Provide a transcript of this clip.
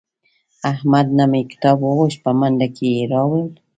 احمد نه مې کتاب وغوښت په منډه کې یې راوړ.